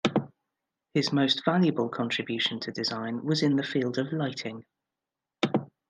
His most valuable contribution to design was in the field of lighting.